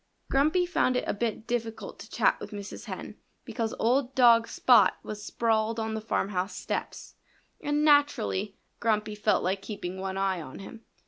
Grumpy found it a bit difficult to chat with Mrs. Hen because old dog Spot was sprawled on the farmhouse steps; and naturally Grumpy felt like keeping one eye on him.